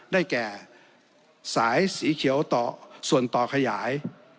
ได้แก่สายสีเขียวต่อส่วนต่อขยาย